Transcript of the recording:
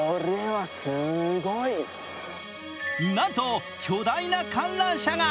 なんと巨大な観覧車が。